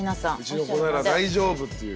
うちの子なら大丈夫っていう。